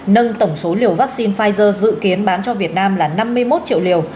nâng tổng số liều vaccine pfizer dự kiến bán cho việt nam là năm mươi một triệu liều